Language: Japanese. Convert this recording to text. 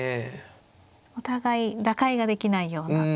お互い打開ができないような展開も。